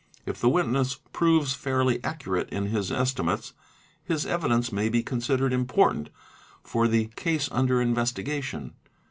If" the witness proves fairly accurate in his estimates, his evidence may be considered important for the case under investigation.